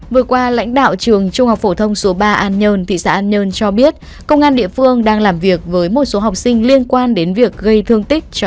vừa qua lãnh đạo trường trung học phổ thông số ba an nhơn thị xã an nhơn cho biết công an địa phương đang làm việc với một số học sinh liên quan đến việc gây thương tích